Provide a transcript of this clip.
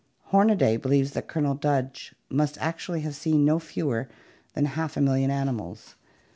Hornaday believes that Colonel Dodge must actually have seen no fewer than half a million animals.